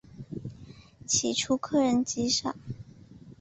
起初客人极少。